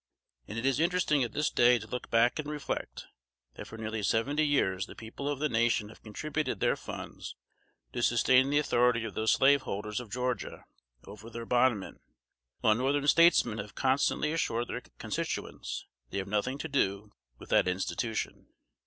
And it is interesting at this day to look back and reflect, that for nearly seventy years the people of the nation have contributed their funds to sustain the authority of those slaveholders of Georgia over their bondmen, while Northern statesmen have constantly assured their constituents, they have nothing to do with that institution.